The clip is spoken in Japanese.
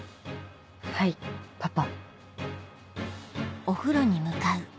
はいパパ。